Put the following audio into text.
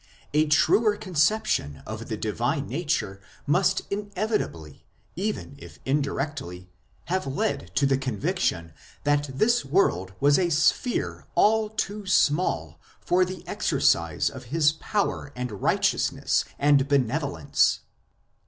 A truer conception of the divine nature must inevitably, even if indirectly, have led to the conviction that this world was a sphere all too small for the exercise of His power and righteousness and benevolence.